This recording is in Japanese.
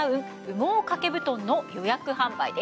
羽毛掛け布団の予約販売です。